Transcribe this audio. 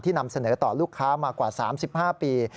นำเสนอต่อลูกค้ามากว่า๓๕ปี